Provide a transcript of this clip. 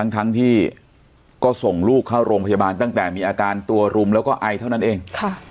ทั้งที่ก็ส่งลูกเข้าโรงพยาบาลตั้งแต่มีอาการตัวรุมแล้วก็ไอเท่านั้นเอง